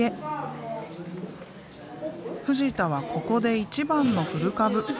藤田はここで一番の古株。